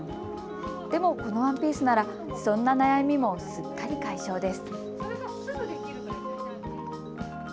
でも、このワンピースならそんな悩みもすっかり解消です。